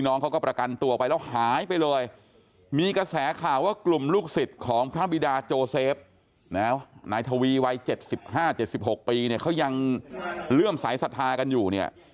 น้ายทวีวัย๗๕๗๖ปีเขายังเรื่องสายสถาคันอยู่